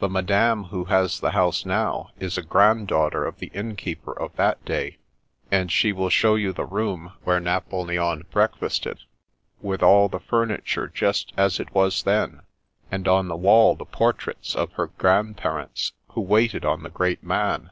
The madame who has the house now, is a grand daughter of the innkeeper of that day ; and she will show you the room where Napoleon break fasted, with all the furniture just as it was then, and on the wall the portraits of her grand parents, who waited on the great man."